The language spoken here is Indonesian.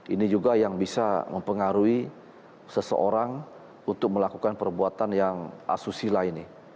ini juga yang bisa mempengaruhi seseorang untuk melakukan perbuatan yang asusila ini